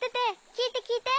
きいてきいて！